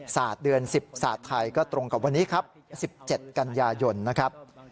ศาสตร์เดือน๑๐ศาสตร์ไทยก็ตรงกับวันนี้ครับ๑๗กันยายนนะครับ